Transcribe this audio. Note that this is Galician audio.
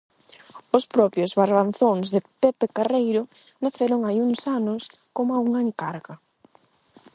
Os propios Barbanzóns de Pepe Carreiro naceron hai uns anos coma unha encarga.